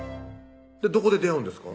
どこで出会うんですか？